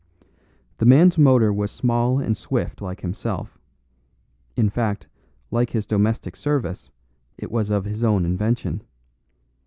The man's motor was small and swift like himself; in fact, like his domestic service, it was of his own invention.